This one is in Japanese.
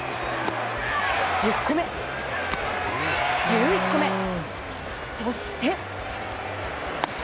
１０個目、１１個目、そして。